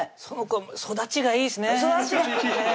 その子育ちがいいですね